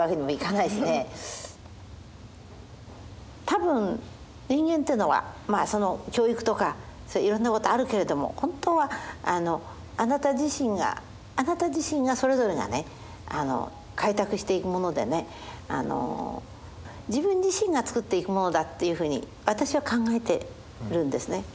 多分人間っていうのはまあその教育とかそういういろんなことあるけれども本当はあなた自身があなた自身がそれぞれがね開拓していくものでね自分自身がつくっていくものだっていうふうに私は考えてるんですね。